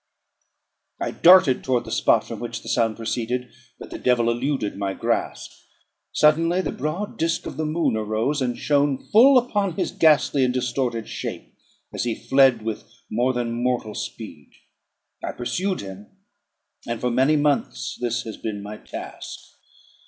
I darted towards the spot from which the sound proceeded; but the devil eluded my grasp. Suddenly the broad disk of the moon arose, and shone full upon his ghastly and distorted shape, as he fled with more than mortal speed. I pursued him; and for many months this has been my task.